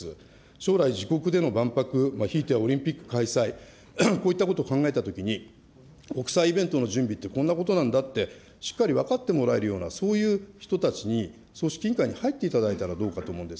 将来、自国での万博、ひいてはオリンピック開催、こういったことを考えたときに、国際イベントの準備ってこんなことなんだって、しっかり分かってもらえるような、そういう人たちに、組織委員会に入っていただいたらどうかと思うんです。